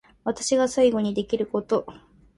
私が最後にできること